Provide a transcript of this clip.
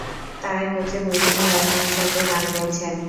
তারা একত্রে বিভিন্ন লাইভ কনসার্টে গান গেয়েছেন।